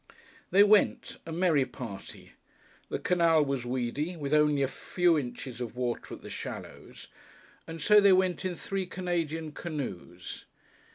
They went, a merry party. The canal was weedy, with only a few inches of water at the shallows, and so they went in three Canadian canoes.